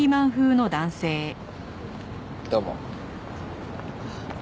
どうも。